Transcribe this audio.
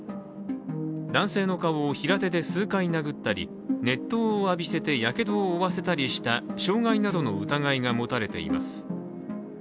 男性の顔を平手で数回殴ったり、熱湯を浴びせてやけどを負わせたりした傷害などの疑いが持たれています。